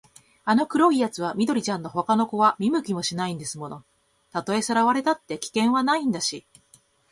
あの黒いやつは緑ちゃんのほかの子は見向きもしないんですもの。たとえさらわれたって、危険はないんだし、